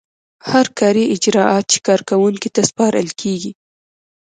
هر کاري اجراات چې کارکوونکي ته سپارل کیږي.